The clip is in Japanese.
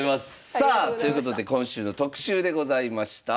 さあということで今週の特集でございました。